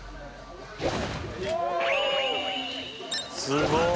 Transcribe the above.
すごーい